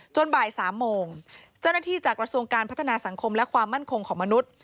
บ่าย๓โมงเจ้าหน้าที่จากกระทรวงการพัฒนาสังคมและความมั่นคงของมนุษย์